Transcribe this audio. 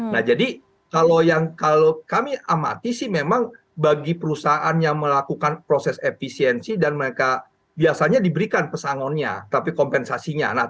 nah jadi kalau kami amati sih memang bagi perusahaan yang melakukan proses efisiensi dan mereka biasanya diberikan pesangonnya tapi kompensasinya